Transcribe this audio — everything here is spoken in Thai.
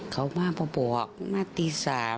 เขามาบอกมาตี๓